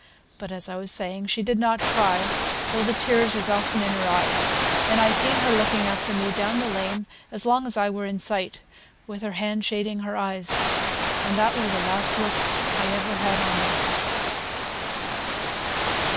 But, as I was saying, she did not cry, though the tears was often in her eyes; and I seen her looking after me down the lane as long as I were in sight, with her hand shading her eyes and that were the last look I ever had on her."